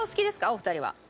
お二人は。